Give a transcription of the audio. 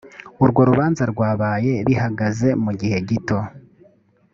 urwo urubanza rwabaye bihagaze mu gihe gito